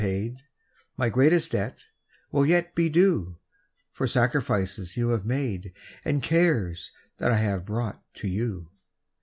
'* 7^0 My greatest debt will yet be due For sacrifices you bave made And cares that I have brought to you.